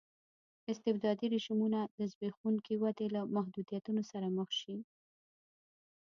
استبدادي رژیمونه د زبېښونکې ودې له محدودیتونو سره مخ شي.